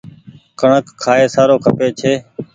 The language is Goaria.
ڪڻڪ کآئي سارو کپي ڇي۔